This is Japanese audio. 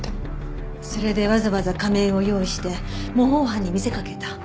それでわざわざ仮面を用意して模倣犯に見せかけた。